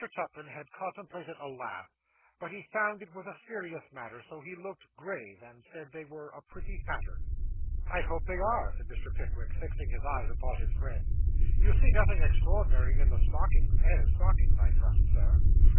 Tupman had contemplated a laugh, but he found it was a serious matter; so he looked grave, and said they were a pretty pattern. 'I hope they are,' said Mr. Pickwick, fixing his eyes upon his friend. 'You see nothing extraordinary in the stockings, as stockings, I trust, Sir?